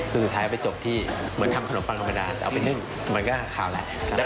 คือสุดท้ายไปจบที่เหมือนทำขนมปังธรรมดาแต่เอาไปนึ่งมันก็ขาวแหละ